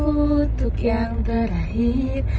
untuk yang terakhir